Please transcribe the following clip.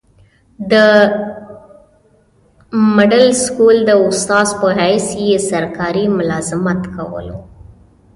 دمډل سکول د استاذ پۀ حيث ئي سرکاري ملازمت کولو